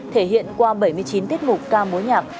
thể hiện qua bảy mươi chín tiết mục ca mối nhạc